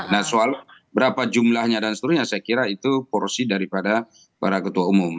nah soal berapa jumlahnya dan seterusnya saya kira itu porsi daripada para ketua umum